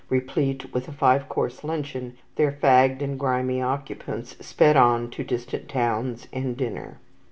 Replete with a five course luncheon, their fagged and grimy occupants sped on to distant towns and dinner.